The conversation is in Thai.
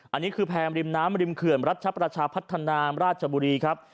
อันนี้คือแพงริมน้ำริมเขื่อนรัชประชาพัฒนาราชบุรีครับ